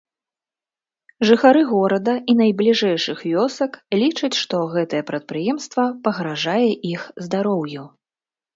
Жыхары горада і найбліжэйшых вёсак лічаць, што гэтае прадпрыемства пагражае іх здароўю.